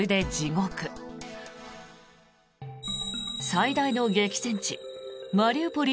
最大の激戦地マリウポリ